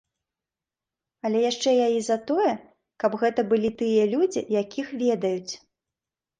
Але яшчэ я і за тое, каб гэта былі тыя людзі, якіх ведаюць.